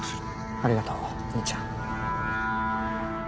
ありがとう兄ちゃん。